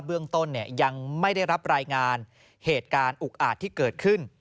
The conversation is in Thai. เรื่องต้นยังไม่ได้รับรายงานเหตุการณ์อุกอาจที่เกิดขึ้น